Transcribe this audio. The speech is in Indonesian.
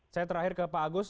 saya terakhir ke pak agus